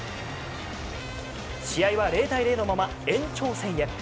試合は０対０のまま延長戦へ。